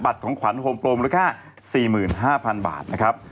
ของขวัญโฮมโปรมูลค่า๔๕๐๐๐บาทนะครับ